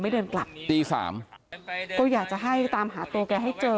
ะโลคอยากจะให้ตามหาตัวแกให้เจอ